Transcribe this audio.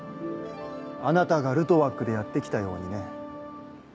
あなたがルトワックでやって来たようにね。